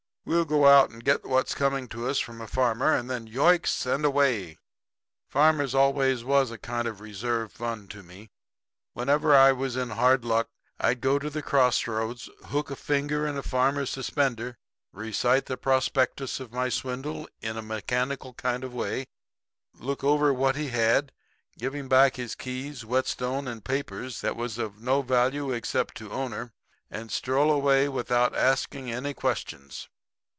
We'll go out and get what's coming to us from a farmer; and then yoicks! and away.' "Farmers was always a kind of reserve fund to me. Whenever I was in hard luck I'd go to the crossroads, hook a finger in a farmer's suspender, recite the prospectus of my swindle in a mechanical kind of a way, look over what he had, give him back his keys, whetstone and papers that was of no value except to owner, and stroll away without asking any questions.